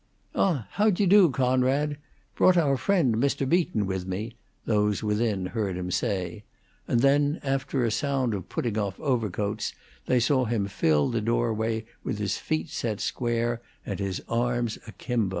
"Ah, how dye do, Conrad? Brought our friend, Mr. Beaton, with me," those within heard him say; and then, after a sound of putting off overcoats, they saw him fill the doorway, with his feet set square and his arms akimbo.